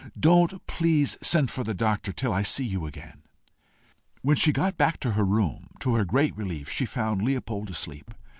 Don't please send for the doctor till I see you again." When she got back to her room, to her great relief she found Leopold asleep.